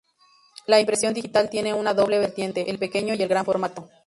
La impresión digital tiene una doble vertiente: el pequeño y el gran formato.